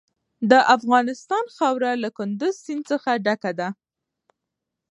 د افغانستان خاوره له کندز سیند څخه ډکه ده.